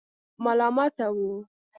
ملامتاوه.